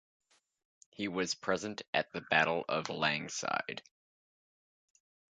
He was present at the Battle of Langside.